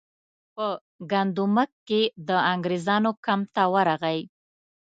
په ګندمک کې د انګریزانو کمپ ته ورغی.